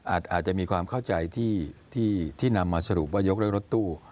อาจจะมีความเข้าใจที่นำมาสรุปว่ายกด้วยรถตู้